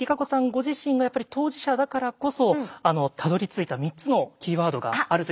ご自身がやっぱり当事者だからこそたどりついた３つのキーワードがあるということで。